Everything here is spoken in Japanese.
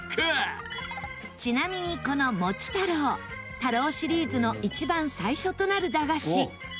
ちなみに、この餅太郎太郎シリーズの一番最初となる駄菓子